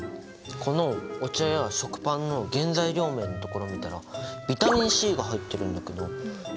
このお茶や食パンの原材料名のところを見たらビタミンＣが入ってるんだけど何でビタミンＣが入ってるの？